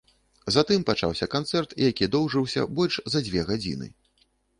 Затым пачаўся канцэрт, які доўжыўся больш за дзве гадзіны.